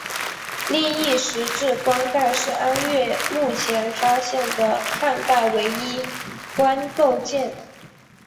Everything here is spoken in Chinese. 另一石质棺盖是安岳目前发现的汉代唯一石棺构件。